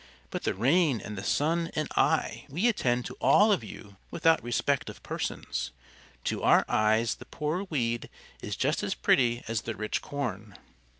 But the rain and the sun and I we attend to all of you without respect of persons. To our eyes the poor weed is just as pretty as the rich corn."